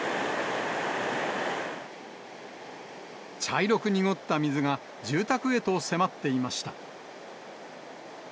茶色く濁った水が住宅へと迫っていました。